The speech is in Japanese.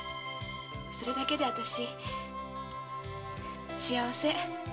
それだけで私幸せ。